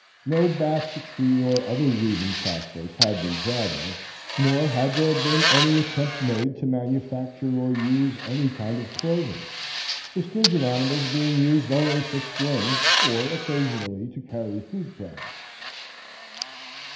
No basketry or other weaving process had been thought of, nor had there been any attempt made to manufacture or use any kind of clothing, the skins of animals being used only for strings, or occasionally to carry food products.